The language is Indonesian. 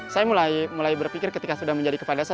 saya mulai berpikir ketika sudah menjadi kepulauan